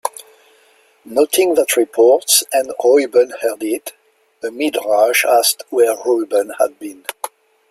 Noting that reports, "And Reuben heard it," a Midrash asked where Reuben had been.